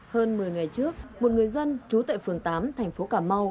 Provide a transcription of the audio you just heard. hơn một mươi ngày trước một người dân trú tại phường tám thành phố cà mau